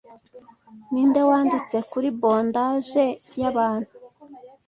Ninde wanditse kuri Bondage Yabantu